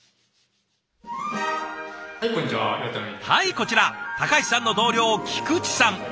はいこちら高橋さんの同僚菊池さん。